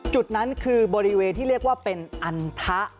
จุดนั้นคือบริเวณที่เรียกว่าเป็นอันทะ